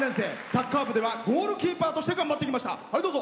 サッカー部ではゴールキーパーとして頑張ってきました。